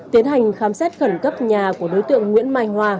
tiến hành khám xét khẩn cấp nhà của đối tượng nguyễn mai hoa